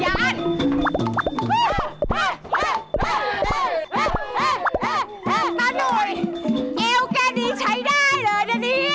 เอวแก่นี้ใช้ได้เลยนะเฮ่ย